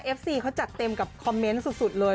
ฟรีเขาจัดเต็มกับคอมเมนต์สุดเลย